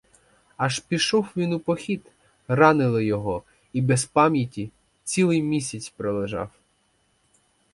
Аж пішов він у похід, ранили його і без пам'яті цілий місяць пролежав.